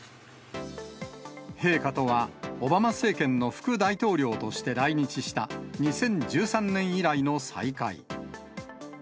陛下とは、オバマ政権の副大統領として来日した、２０１３年以来の再会。